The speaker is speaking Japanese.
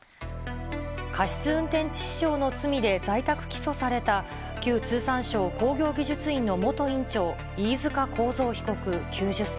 過失運転致死傷の罪で在宅起訴された、旧通産省工業技術院の元院長、飯塚幸三被告９０歳。